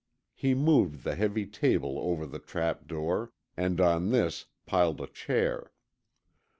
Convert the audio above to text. He moved the heavy table over the trap door, and on this piled a chair.